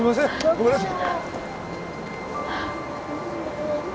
ごめんなさい。